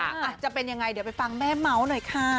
อาจจะเป็นยังไงเดี๋ยวไปฟังแม่เมาส์หน่อยค่ะ